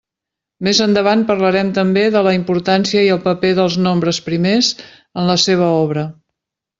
Més endavant parlarem també de la importància i el paper dels nombres primers en la seva obra.